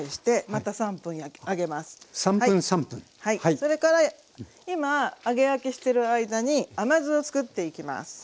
それから今揚げ焼きしてる間に甘酢をつくっていきます。